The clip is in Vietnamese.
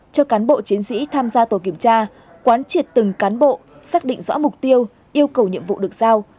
cho cán bộ chiến sĩ tham gia tổ kiểm tra quán triệt từng cán bộ xác định rõ mục tiêu yêu cầu nhiệm vụ được giao